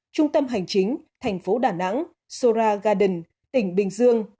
trung tâm hành chính thành phố đà nẵng sora garden tỉnh bình dương